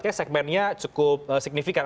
kayaknya segmennya cukup signifikan